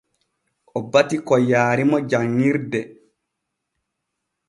O bati ko yaarimo janŋirde.